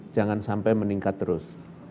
jangan sampai meningkat terus